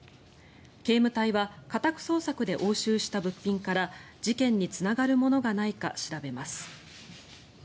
警務隊は家宅捜索で押収した物品から事件につながるものがないか調べます。